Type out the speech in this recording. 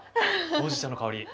ほうじ茶の香り。